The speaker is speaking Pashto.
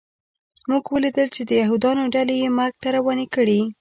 موږ ولیدل چې د یهودانو ډلې یې مرګ ته روانې کړې